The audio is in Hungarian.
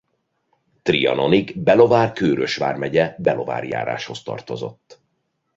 Trianonig Belovár-Kőrös vármegye Belovári járásához tartozott.